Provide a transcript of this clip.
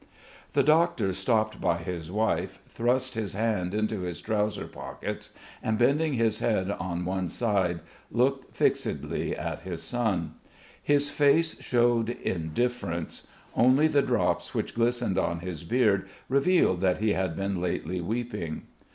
The doctor stopped by his wife, thrust his hands into his trouser pockets and bending his head on one side looked fixedly at his son. His face showed indifference; only the drops which glistened on his beard revealed that he had been lately weeping.